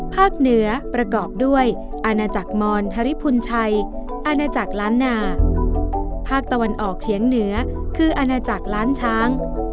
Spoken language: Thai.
เหนือประกอบด้วยอาณาจักรมอนฮริพุนชัยอาณาจักรล้านนาภาคตะวันออกเฉียงเหนือคืออาณาจักรล้านช้าง